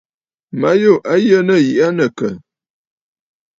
Ma yû a yə nɨ̂ yiʼi aa nɨ̂ àkə̀?